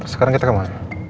sekarang kita kemana